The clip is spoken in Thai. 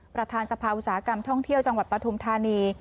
ประธานสภาอุตสาหกรรมท่องเที่ยวจังหวัดปฐุมธานี